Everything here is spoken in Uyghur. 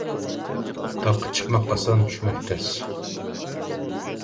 تاغقا چىقماق ئاسان، چۈشمەك تەس.